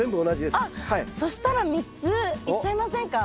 そしたら３ついっちゃいませんか？